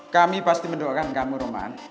kami pasti mendoakan kamu roman